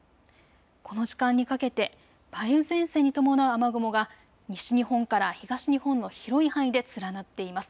この時間にかけて梅雨前線に伴う雨雲が西日本から東日本の広い範囲で連なっています。